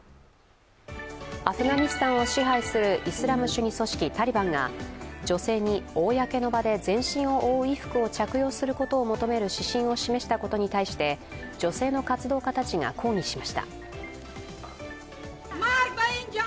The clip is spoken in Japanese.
アフガニスタンを支配するイスラム主義組織タリバンが女性に公の場で全身を覆う衣服を着用することを求める指針を示したことに対して女性の活動家たちが抗議しました。